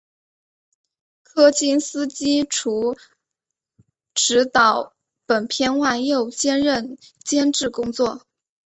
柯金斯基除执导本片外又兼任监制工作。